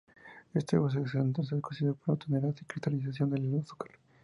Este jugo es concentrado y cocido hasta obtener la cristalización del azúcar.